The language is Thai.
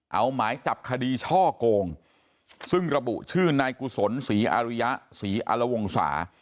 เอาหมายจับคดีช่อโกงซึ่งระบุชื่อนายกุศลศรีอาริยะศรีอารวงศา